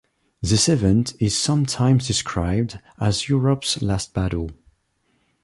This event is sometimes described as Europe's last battle.